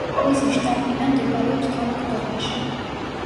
მისი შტაბ-ბინა მდებარეობს ქალაქ დოჰაში.